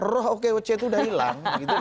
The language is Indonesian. roh okoc itu sudah hilang